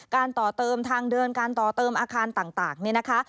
การต่อเติมทางเดินการต่อเติมอาคารต่าง